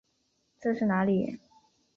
这是哪里？